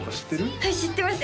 はい知ってますよ